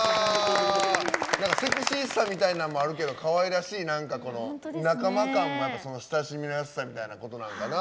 セクシーさみたいなんもあるけどかわいらしい仲間感が親しみやすさみたいなことなんかな。